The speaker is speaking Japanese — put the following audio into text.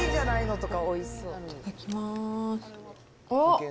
いただきます。